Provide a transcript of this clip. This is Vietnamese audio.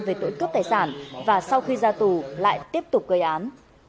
về tội cướp tài sản và sau khi ra tù lại tiếp tục gây án